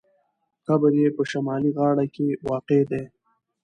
قبر یې په شمالي غاړه واقع دی.